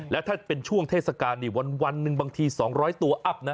แล้วถ้าเป็นช่วงเทศกาลนี่วันหนึ่งบางที๒๐๐ตัวอัพนะ